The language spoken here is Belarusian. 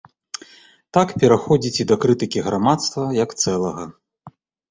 Так пераходзіць і да крытыкі грамадства як цэлага.